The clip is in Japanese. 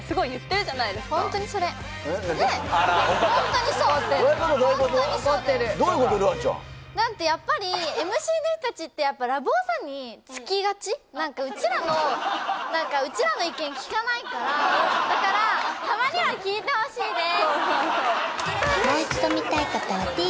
るあちゃんだってやっぱりＭＣの人達ってやっぱラブ男さんにつきがち何かうちらの意見聞かないからだからたまには聞いてほしいです！